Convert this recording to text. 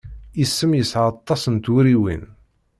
Isem yesεa aṭas n twuriwin.